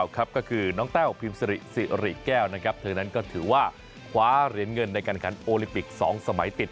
ถือว่าคว้าเหรียญเงินในการขันโอลิปิกสองสมัยติด